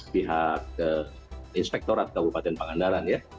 pihak inspektorat kabupaten pangandaran ya